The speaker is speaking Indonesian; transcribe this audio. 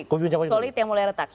solid yang mulai retak